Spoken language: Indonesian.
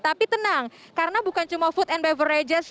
tapi tenang karena bukan cuma food and beverages